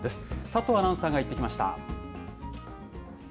佐藤アナウンサーが行ってきまし